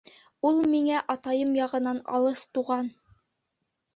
Ул миңә атайым яғынан алыҫ туған.